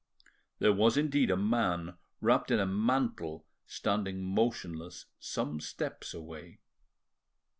There was indeed a man wrapped in a mantle standing motionless some steps away.